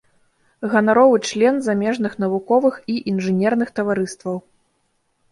Ганаровы член замежных навуковых і інжынерных таварыстваў.